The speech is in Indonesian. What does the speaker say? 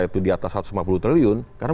itu di atas satu ratus lima puluh triliun karena